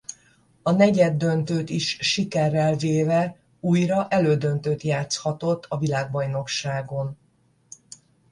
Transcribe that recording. A negyeddöntőt is sikerrel véve újra elődöntőt játszhatott a világbajnokságon.